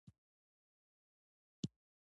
زما خوله خوږیږي